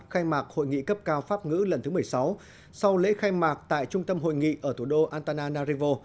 khai mạc hội nghị cấp cao pháp ngữ lần thứ một mươi sáu sau lễ khai mạc tại trung tâm hội nghị ở thủ đô antana narevo